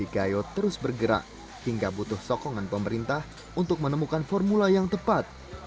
di gayo terus bergerak hingga butuh sokongan pemerintah untuk menemukan formula yang tepat